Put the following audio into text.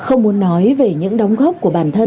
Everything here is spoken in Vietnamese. không muốn nói về những đóng góp của bản thân